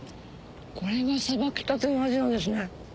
これがさばきたての味なんですね。